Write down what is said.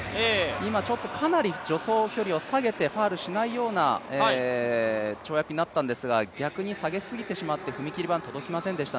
今、かなり助走距離を下げてファウルしないような跳躍になったんですが、逆に下げすぎてしまって、踏み切り板届きませんでした。